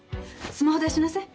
スマホ出しなさい。